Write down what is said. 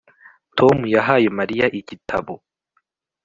Tom yahaye Mariya igitabo